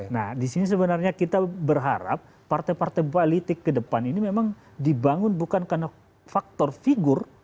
nah disini sebenarnya kita berharap partai partai politik kedepan ini memang dibangun bukan karena faktor figur